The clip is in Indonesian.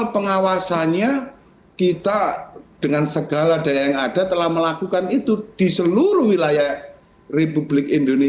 pak toto hariono